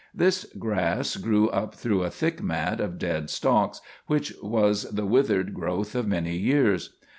This grass grew up through a thick mat of dead stalks, which was the withered growth of many years.